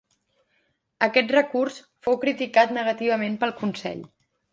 Aquest recurs fou criticat negativament pel Consell.